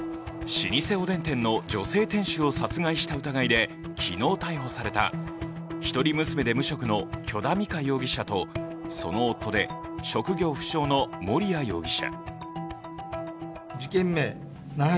老舗おでん店の女性店主を殺害した疑いで昨日逮捕された一人娘で無職の許田美香容疑者とその夫で職業不詳の盛哉容疑者。